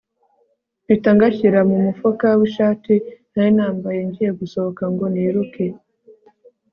mpita ngashyira mumufuka wishati nari nambaye, ngiye gusohoka ngo niruke